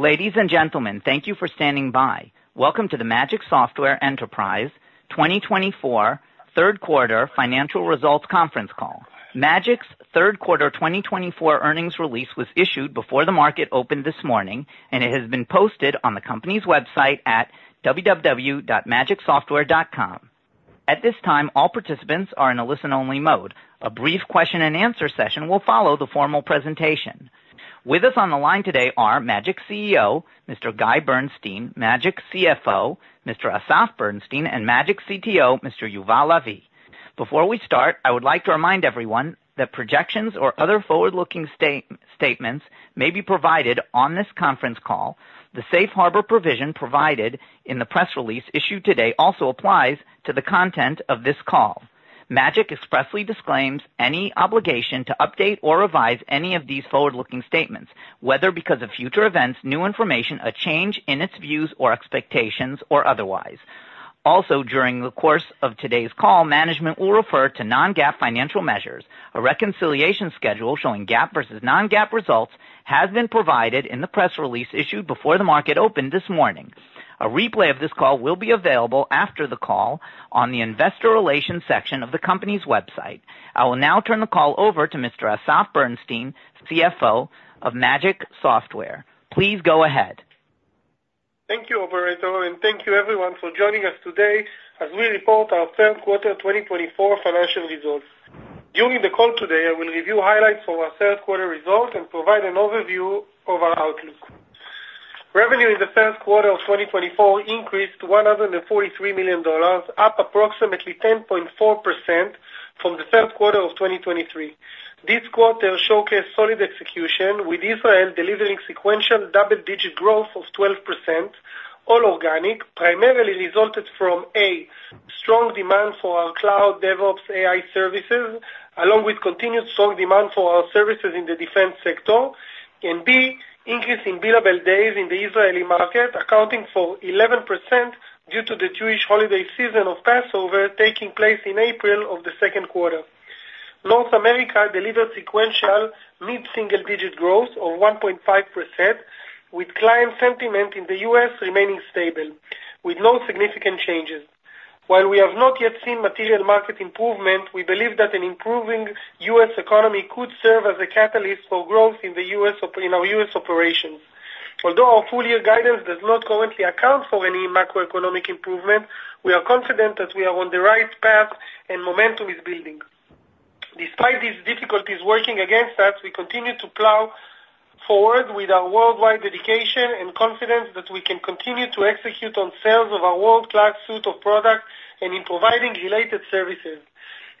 Ladies and gentlemen, thank you for standing by. Welcome to the Magic Software Enterprises 2024 third quarter financial results conference call. Magic's third quarter 2024 earnings release was issued before the market opened this morning, and it has been posted on the company's website at www.magicsoftware.com. At this time, all participants are in a listen-only mode. A brief question-and-answer session will follow the formal presentation. With us on the line today are Magic CEO, Mr. Guy Bernstein, Magic CFO, Mr. Asaf Berenstin, and Magic CTO, Mr. Yuval Lavi. Before we start, I would like to remind everyone that projections or other forward-looking statements may be provided on this conference call. The safe harbor provision provided in the press release issued today also applies to the content of this call. Magic expressly disclaims any obligation to update or revise any of these forward-looking statements, whether because of future events, new information, a change in its views or expectations, or otherwise. Also, during the course of today's call, management will refer to non-GAAP financial measures. A reconciliation schedule showing GAAP versus non-GAAP results has been provided in the press release issued before the market opened this morning. A replay of this call will be available after the call on the investor relations section of the company's website. I will now turn the call over to Mr. Asaf Berenstin, CFO of Magic Software. Please go ahead. Thank you, Alberto. And thank you, everyone, for joining us today as we report our third quarter 2024 financial results. During the call today, I will review highlights of our third quarter results and provide an overview of our outlook. Revenue in the first quarter of 2024 increased to $143 million, up approximately 10.4% from the third quarter of 2023. This quarter showcased solid execution, with Israel delivering sequential double-digit growth of 12%, all organic, primarily resulting from, A, strong demand for our cloud DevOps AI services, along with continued strong demand for our services in the defense sector, and, B, increase in billable days in the Israeli market, accounting for 11% due to the Jewish holiday season of Passover taking place in April of the second quarter. North America delivered sequential mid-single-digit growth of 1.5%, with client sentiment in the U.S. remaining stable, with no significant changes. While we have not yet seen material market improvement, we believe that an improving U.S. economy could serve as a catalyst for growth in our U.S. operations. Although our full-year guidance does not currently account for any macroeconomic improvement, we are confident that we are on the right path, and momentum is building. Despite these difficulties working against us, we continue to plow forward with our worldwide dedication and confidence that we can continue to execute on sales of our world-class suite of products and in providing related services.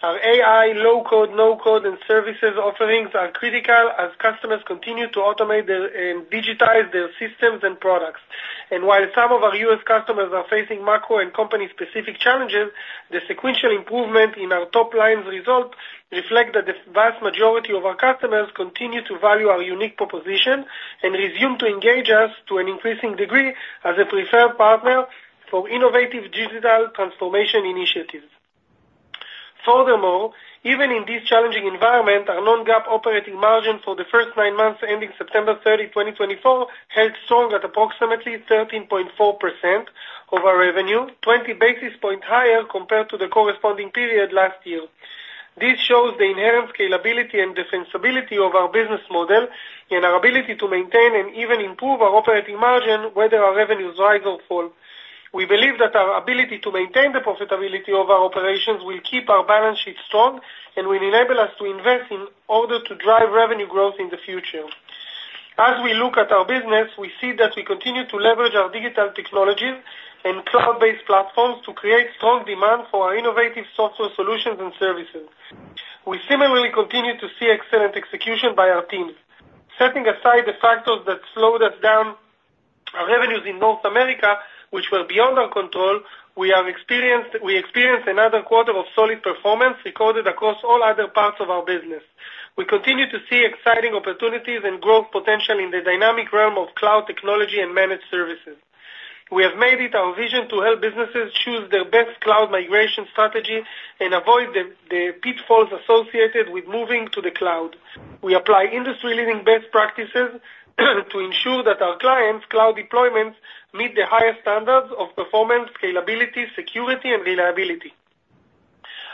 Our AI low-code, no-code, and services offerings are critical as customers continue to automate and digitize their systems and products. While some of our U.S. customers are facing macro and company-specific challenges, the sequential improvement in our top line's result reflects that the vast majority of our customers continue to value our unique proposition and resume to engage us to an increasing degree as a preferred partner for innovative digital transformation initiatives. Furthermore, even in this challenging environment, our non-GAAP operating margin for the first nine months ending September 30, 2024, held strong at approximately 13.4% of our revenue, 20 basis points higher compared to the corresponding period last year. This shows the inherent scalability and defensibility of our business model and our ability to maintain and even improve our operating margin, whether our revenues rise or fall. We believe that our ability to maintain the profitability of our operations will keep our balance sheet strong and will enable us to invest in order to drive revenue growth in the future. As we look at our business, we see that we continue to leverage our digital technologies and cloud-based platforms to create strong demand for our innovative software solutions and services. We similarly continue to see excellent execution by our teams. Setting aside the factors that slowed us down, our revenues in North America, which were beyond our control, we experienced another quarter of solid performance recorded across all other parts of our business. We continue to see exciting opportunities and growth potential in the dynamic realm of cloud technology and managed services. We have made it our vision to help businesses choose their best cloud migration strategy and avoid the pitfalls associated with moving to the cloud. We apply industry-leading best practices to ensure that our clients' cloud deployments meet the highest standards of performance, scalability, security, and reliability.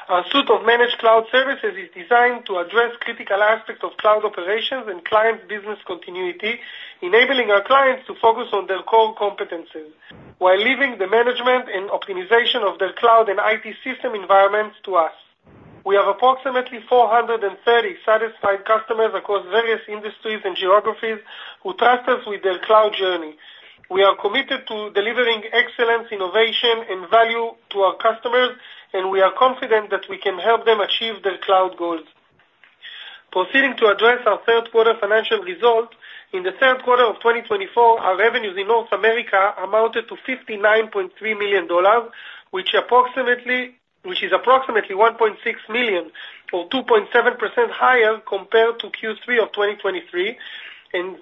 Our suite of managed cloud services is designed to address critical aspects of cloud operations and client business continuity, enabling our clients to focus on their core competencies while leaving the management and optimization of their cloud and IT system environments to us. We have approximately 430 satisfied customers across various industries and geographies who trust us with their cloud journey. We are committed to delivering excellence, innovation, and value to our customers, and we are confident that we can help them achieve their cloud goals. Proceeding to address our third quarter financial results, in the third quarter of 2024, our revenues in North America amounted to $59.3 million, which is approximately $1.6 million, or 2.7% higher compared to Q3 of 2023, and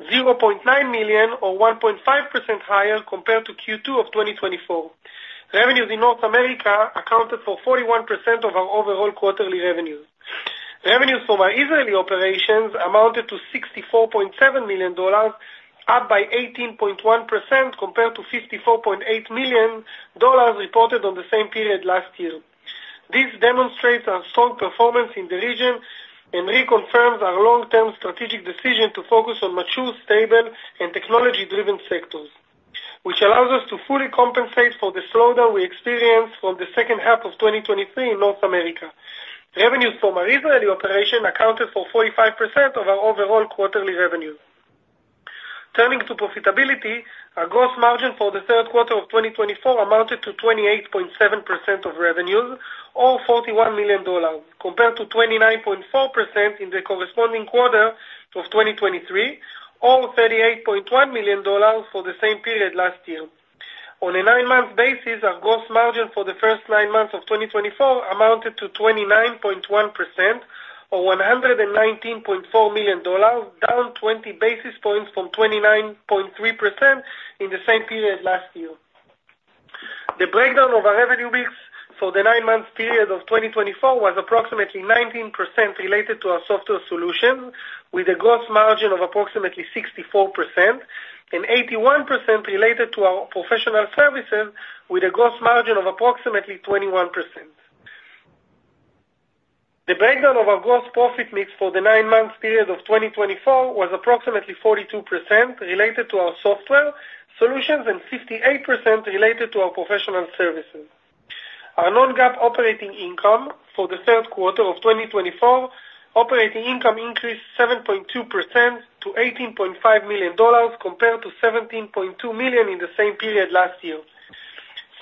$0.9 million, or 1.5% higher compared to Q2 of 2024. Revenues in North America accounted for 41% of our overall quarterly revenues. Revenues from our Israeli operations amounted to $64.7 million, up by 18.1% compared to $54.8 million reported on the same period last year. This demonstrates our strong performance in the region and reconfirms our long-term strategic decision to focus on mature, stable, and technology-driven sectors, which allows us to fully compensate for the slowdown we experienced from the second half of 2023 in North America. Revenues from our Israeli operation accounted for 45% of our overall quarterly revenue. Turning to profitability, our gross margin for the third quarter of 2024 amounted to 28.7% of revenues, or $41 million, compared to 29.4% in the corresponding quarter of 2023, or $38.1 million for the same period last year. On a nine-month basis, our gross margin for the first nine months of 2024 amounted to 29.1%, or $119.4 million, down 20 basis points from 29.3% in the same period last year. The breakdown of our revenue mix for the nine-month period of 2024 was approximately 19% related to our software solutions, with a gross margin of approximately 64%, and 81% related to our professional services, with a gross margin of approximately 21%. The breakdown of our gross profit mix for the nine-month period of 2024 was approximately 42% related to our software solutions and 58% related to our professional services. Our non-GAAP operating income for the third quarter of 2024, operating income increased 7.2% to $18.5 million compared to $17.2 million in the same period last year.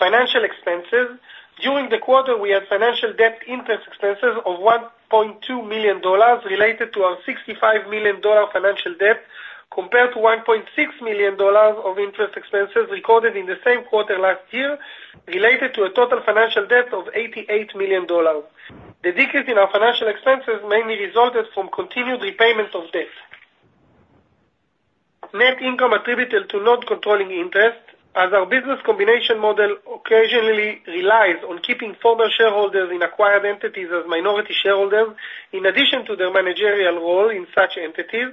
Financial expenses: during the quarter, we had financial debt interest expenses of $1.2 million related to our $65 million financial debt compared to $1.6 million of interest expenses recorded in the same quarter last year, related to a total financial debt of $88 million. The decrease in our financial expenses mainly resulted from continued repayment of debt. Net income attributed to non-controlling interest: as our business combination model occasionally relies on keeping former shareholders in acquired entities as minority shareholders, in addition to their managerial role in such entities,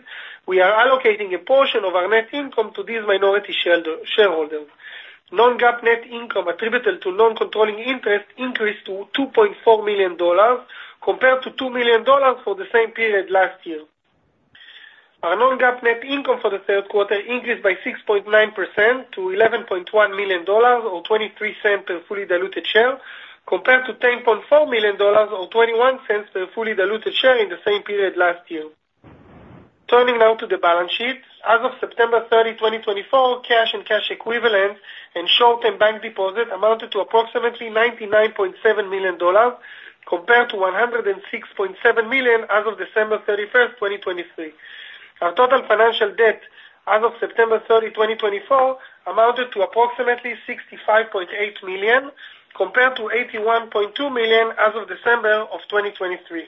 we are allocating a portion of our net income to these minority shareholders. Non-GAAP net income attributed to non-controlling interest increased to $2.4 million compared to $2 million for the same period last year. Our non-GAAP net income for the third quarter increased by 6.9% to $11.1 million, or $0.23 per fully diluted share, compared to $10.4 million, or $0.21 per fully diluted share in the same period last year. Turning now to the balance sheet: as of September 30, 2024, cash and cash equivalents and short-term bank deposits amounted to approximately $99.7 million compared to $106.7 million as of December 31, 2023. Our total financial debt as of September 30, 2024, amounted to approximately $65.8 million compared to $81.2 million as of December of 2023.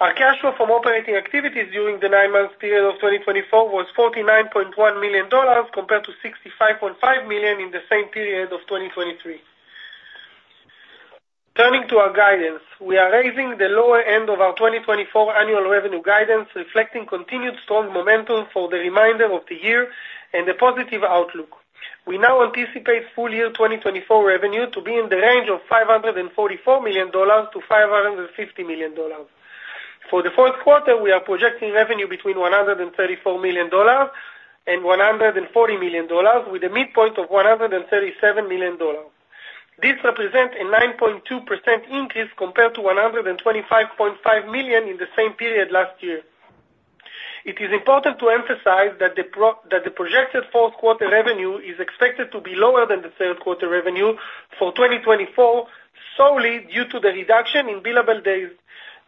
Our cash flow from operating activities during the nine-month period of 2024 was $49.1 million compared to $65.5 million in the same period of 2023. Turning to our guidance, we are raising the lower end of our 2024 annual revenue guidance, reflecting continued strong momentum for the remainder of the year and a positive outlook. We now anticipate full-year 2024 revenue to be in the range of $544 million to $550 million. For the fourth quarter, we are projecting revenue between $134 million and $140 million, with a midpoint of $137 million. This represents a 9.2% increase compared to $125.5 million in the same period last year. It is important to emphasize that the projected fourth quarter revenue is expected to be lower than the third quarter revenue for 2024 solely due to the reduction in billable days.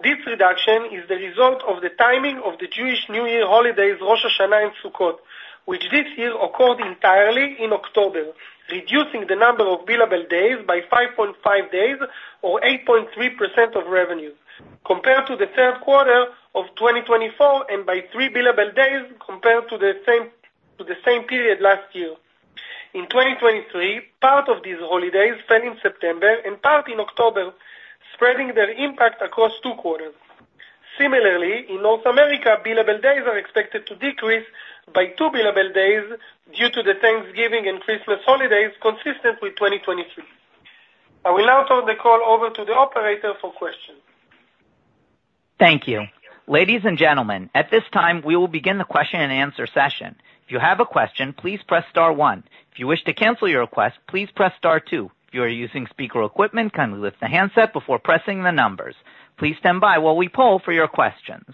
This reduction is the result of the timing of the Jewish New Year holidays, Rosh Hashanah and Sukkot, which this year occurred entirely in October, reducing the number of billable days by five point five days, or 8.3% of revenue, compared to the third quarter of 2024 and by three billable days compared to the same period last year. In 2023, part of these holidays fell in September and part in October, spreading their impact across two quarters. Similarly, in North America, billable days are expected to decrease by two billable days due to the Thanksgiving and Christmas holidays consistent with 2023. I will now turn the call over to the operator for questions. Thank you. Ladies and gentlemen, at this time, we will begin the question and answer session. If you have a question, please press star one. If you wish to cancel your request, please press star two. If you are using speaker equipment, kindly lift the handset before pressing the numbers. Please stand by while we poll for your questions.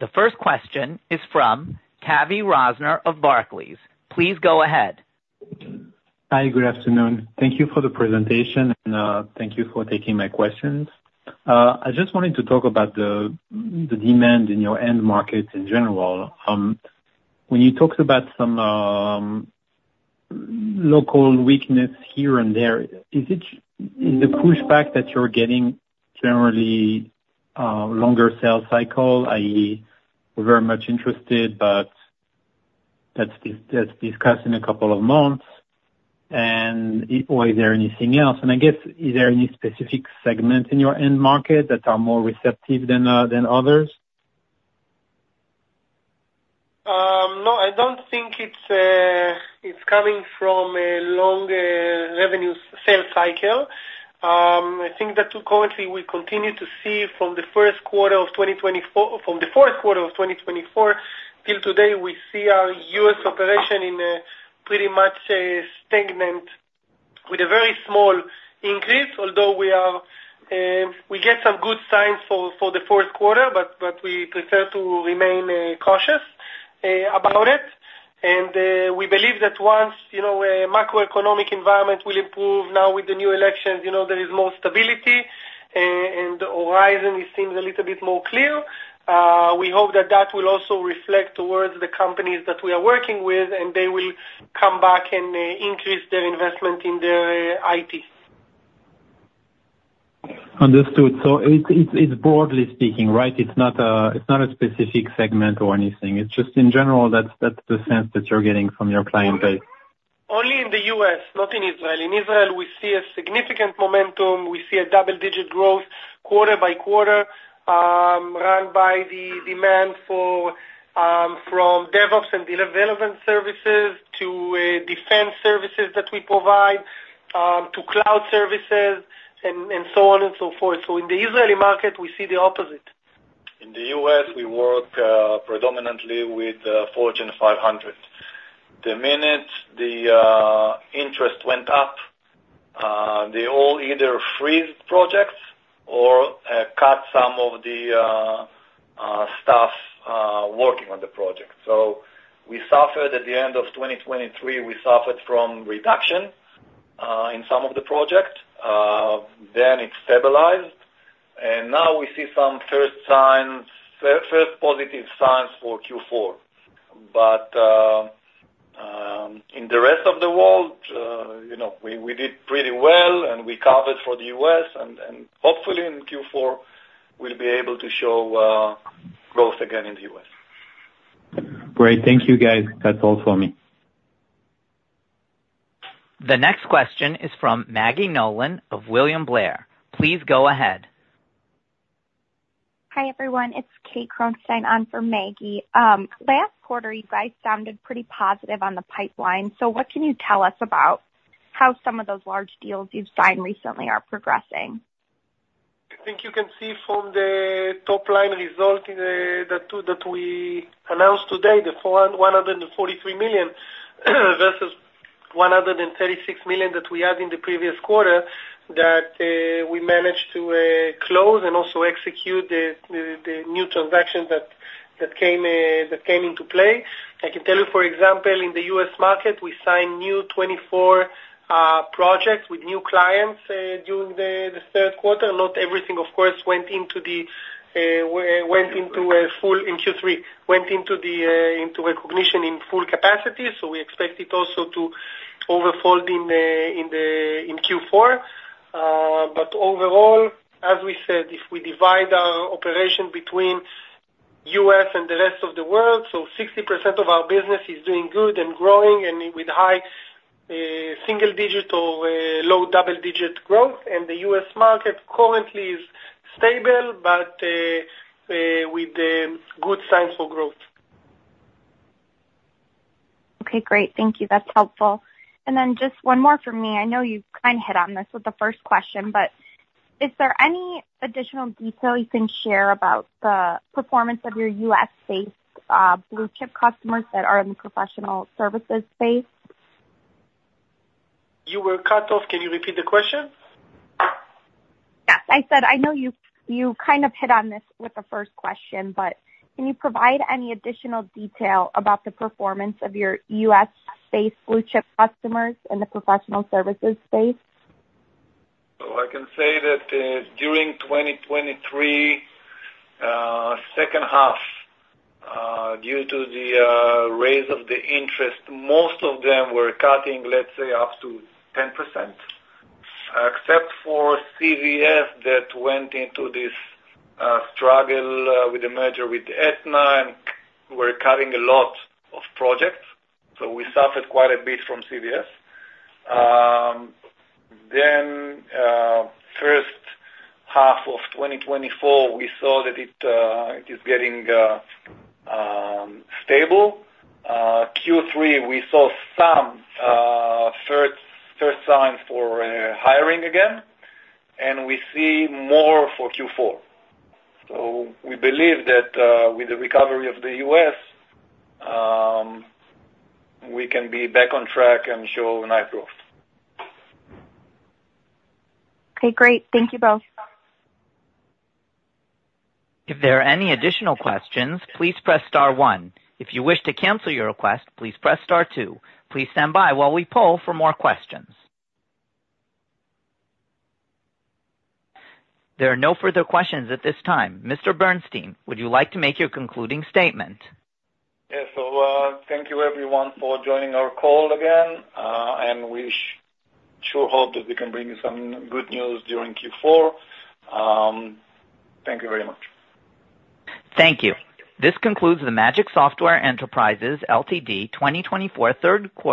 The first question is from Tavy Rosner of Barclays. Please go ahead. Hi, good afternoon. Thank you for the presentation, and thank you for taking my questions. I just wanted to talk about the demand in your end markets in general. When you talked about some local weakness here and there, is the pushback that you're getting generally a longer sales cycle, i.e., we're very much interested, but that's discussed in a couple of months, and is there anything else? and I guess, is there any specific segment in your end market that's more receptive than others? No, I don't think it's coming from a long revenue sales cycle. I think that currently we continue to see from the fourth quarter of 2024 till today, we see our U.S. operation in pretty much a stagnant with a very small increase, although we get some good signs for the fourth quarter, but we prefer to remain cautious about it. And we believe that once the macroeconomic environment will improve, now with the new elections, there is more stability, and the horizon seems a little bit more clear. We hope that that will also reflect towards the companies that we are working with, and they will come back and increase their investment in their IT. Understood. So it's broadly speaking, right? It's not a specific segment or anything. It's just, in general, that's the sense that you're getting from your client base. Only in the U.S., not in Israel. In Israel, we see a significant momentum. We see a double-digit growth quarter by quarter run by the demand from DevOps and development services to defense services that we provide to cloud services and so on and so forth. So in the Israeli market, we see the opposite. In the U.S., we work predominantly with Fortune 500. The minute the interest went up, they all either freeze projects or cut some of the staff working on the project. So we suffered at the end of 2023. We suffered from reduction in some of the projects. Then it stabilized, and now we see some first positive signs for Q4. But in the rest of the world, we did pretty well, and we covered for the U.S., and hopefully in Q4, we'll be able to show growth again in the U.S. Great. Thank you, guys. That's all for me. The next question is from Maggie Nolan of William Blair. Please go ahead. Hi, everyone. It's Kate Kronstein on for Maggie. Last quarter, you guys sounded pretty positive on the pipeline. So what can you tell us about how some of those large deals you've signed recently are progressing? I think you can see from the top-line result that we announced today, the $143 million versus $136 million that we had in the previous quarter, that we managed to close and also execute the new transactions that came into play. I can tell you, for example, in the U.S. market, we signed new 24 projects with new clients during the third quarter. Not everything, of course, went into a full recognition in full capacity, so we expect it also to overflow in Q4. But overall, as we said, if we divide our operation between U.S. and the rest of the world, so 60% of our business is doing good and growing and with high single-digit or low double-digit growth, and the U.S. market currently is stable but with good signs for growth. Okay, great. Thank you. That's helpful. And then just one more from me. I know you kind of hit on this with the first question, but is there any additional detail you can share about the performance of your U.S.-based blue-chip customers that are in the professional services space? You were cut off. Can you repeat the question? Yes. I said I know you kind of hit on this with the first question, but can you provide any additional detail about the performance of your U.S.-based blue-chip customers in the professional services space? So I can say that during 2023, second half, due to the raise of the interest, most of them were cutting, let's say, up to 10%, except for CVS that went into this struggle with the merger with Aetna and were cutting a lot of projects. So we suffered quite a bit from CVS. Then first half of 2024, we saw that it is getting stable. Q3, we saw some first signs for hiring again, and we see more for Q4. So we believe that with the recovery of the U.S., we can be back on track and show nice growth. Okay, great. Thank you both. If there are any additional questions, please press star one. If you wish to cancel your request, please press star two. Please stand by while we poll for more questions. There are no further questions at this time. Mr. Bernstein, would you like to make your concluding statement? Yes, so thank you, everyone, for joining our call again, and we sure hope that we can bring you some good news during Q4. Thank you very much. Thank you. This concludes the Magic Software Enterprises Ltd. 2024 third quarter.